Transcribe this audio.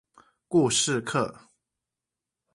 故事課